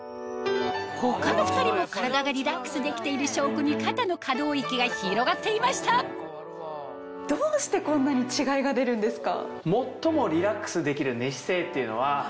他の２人も体がリラックスできている証拠に肩の可動域が広がっていましたどうしてこんなに違いが出るんですか？